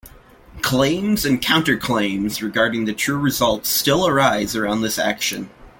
Claims and counter-claims regarding the true results still arise around this action.